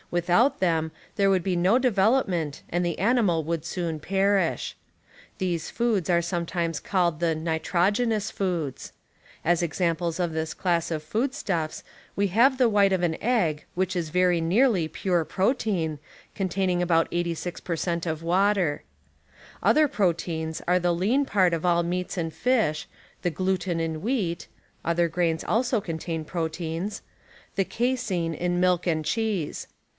Without them there roods ' would be no dcveloj^mcnt and the animal would soon perish. These foods are sometimes called the nitrogenous foods. As cxamj^lcs of this class of food stuffs we have the white of an egg cchicJi is very nearly pure protein, con iaininrj about 86% of icater. Other jiroteins are the lean part of all meats and fisli. the gluten in wheat (other grains also contain pi oteins), the casein in milk and cheese.